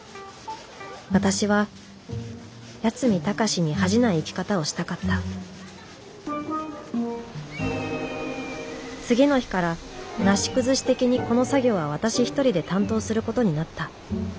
私は八海崇に恥じない生き方をしたかった次の日からなし崩し的にこの作業は私一人で担当することになった。